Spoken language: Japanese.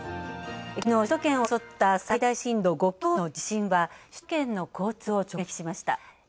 きのう、首都圏を襲った最大震度５強の地震は首都圏の交通を直撃しました。